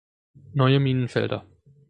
Neue Minenfelder.